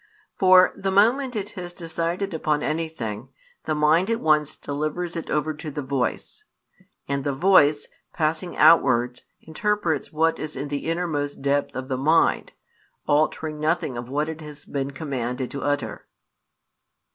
For, the moment it has decided upon anything, the mind at once delivers it over to the voice; and the voice, passing outwards, interprets what is in the innermost |171 depth of the mind, altering nothing of what it has been commanded to utter.